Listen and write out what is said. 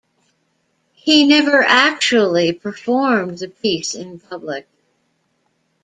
He never actually performed the piece in public.